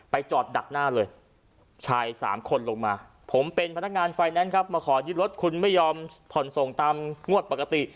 จอดดักหน้าเลยชายสามคนลงมาผมเป็นพนักงานไฟแนนซ์ครับมาขอยึดรถคุณไม่ยอมผ่อนส่งตามงวดปกติ